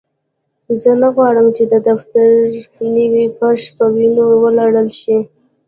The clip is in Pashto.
زه نه غواړم چې د دفتر نوی فرش په وینو ولړل شي